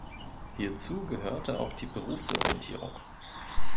Hierzu gehörte auch die Berufsorientierung.